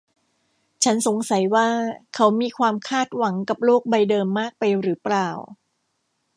ฉันสงสัยว่าเขามีความคาดหวังกับโลกใบเดิมมากไปหรือเปล่า